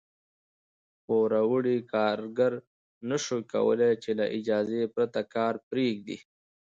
پوروړي کارګر نه شوای کولای چې له اجازې پرته کار پرېږدي.